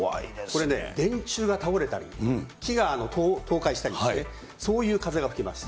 これね、電柱が倒れたり、木が倒壊したり、そういう風が吹きます。